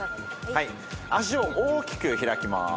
足を大きく開きます。